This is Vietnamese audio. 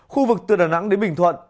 khu vực từ đà nẵng đến bình thuận